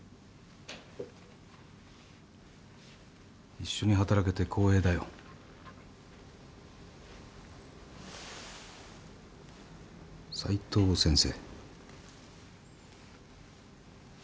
一緒に働けて光栄だよ斉藤先生